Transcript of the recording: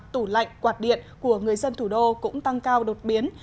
tủ lạnh quạt điện của người dân thủ đô cũng tăng cao đột biến